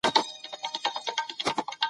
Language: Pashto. مرګ د هر ساه کښ لپاره لیکل سوی دی.